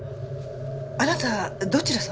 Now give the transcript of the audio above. あなたどちら様？